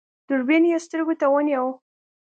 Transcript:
دوربين يې سترګو ته ونيو.